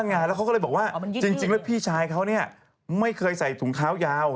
ก็นั่งงานแล้วเขาก็เลยบอกว่าจริงแล้วพี่ชายเขาไม่เคยใส่ถุงเท้ายาว